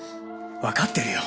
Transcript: わかってるよ。